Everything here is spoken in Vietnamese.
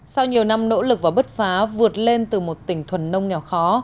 sau nhiều năm nỗ lực và bứt phá vượt lên từ một tỉnh thuần nông nghèo khó